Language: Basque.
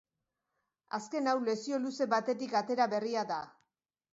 Azken hau lesio luze batetik atera berria da.